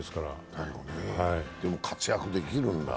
でも活躍できるんだ。